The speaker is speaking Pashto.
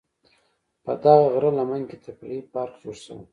په دغه غره لمن کې تفریحي پارک جوړ شوی.